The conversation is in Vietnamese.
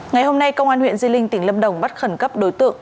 ngày hôm nay công an huyện di linh tỉnh lâm đồng bắt khẩn cấp đối tượng